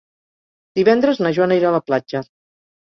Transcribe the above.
Divendres na Joana irà a la platja.